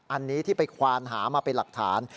อันนี้ที่ไปควานหามาเป็นหลักฐาน